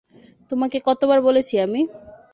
তোমাকে কতবার বলেছি আমি?